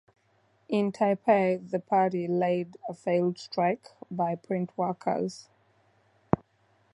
In Taipei the party led a failed strike by print workers.